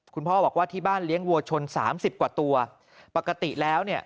คุณพ่อบอกว่าที่บ้านเลี้ยงวัวชนสามสิบกว่าตัวปกติแล้วเนี่ย